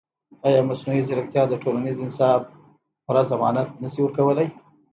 ایا مصنوعي ځیرکتیا د ټولنیز انصاف پوره ضمانت نه شي ورکولی؟